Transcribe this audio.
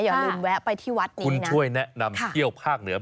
อย่าลืมแวะไปที่วัดนี้คุณช่วยแนะนำเที่ยวภาคเหนือ